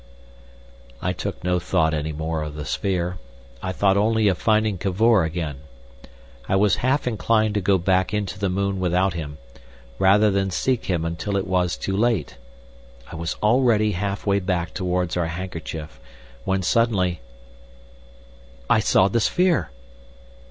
I took no thought any more of the sphere. I thought only of finding Cavor again. I was half inclined to go back into the moon without him, rather than seek him until it was too late. I was already half way back towards our handkerchief, when suddenly— I saw the sphere!